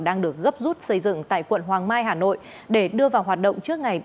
đang được gấp rút xây dựng tại quận hoàng mai hà nội để đưa vào hoạt động trước ngày ba mươi